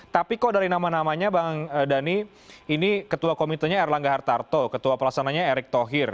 tapi kok dari nama namanya bang dhani ini ketua komitenya erlangga hartarto ketua pelasananya erick thohir